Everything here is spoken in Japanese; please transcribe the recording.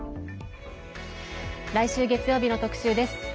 来週月曜日の特集です。